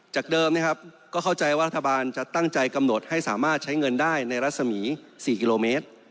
เดิมนะครับก็เข้าใจว่ารัฐบาลจะตั้งใจกำหนดให้สามารถใช้เงินได้ในรัศมี๔กิโลเมตร